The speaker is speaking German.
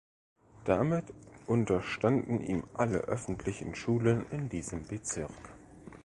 Damit unterstanden ihm alle öffentlichen Schulen in diesem Bezirk.